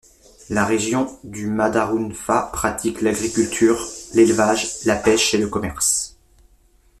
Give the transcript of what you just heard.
La région de Madarounfa pratique l'agriculture, l'élevage, la pêche et le commerce.